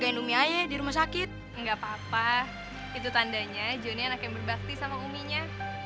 enggak papa itu tandanya johnny anak yang berbakti sama uminya